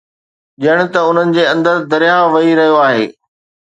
ڄڻ ته انهن جي اندر درياهه وهي رهيو آهي